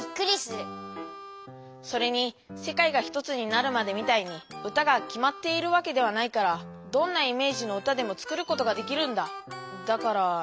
それに「世界がひとつになるまで」みたいに歌がきまっているわけではないからどんなイメージの歌でも作ることができるんだ。